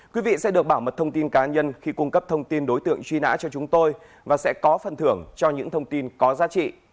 quý vị sẽ được bảo mật thông tin cá nhân khi cung cấp thông tin đối tượng truy nã cho chúng tôi và sẽ có phần thưởng cho những thông tin có giá trị